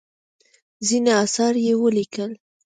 ځینې اثار یې ولیکل.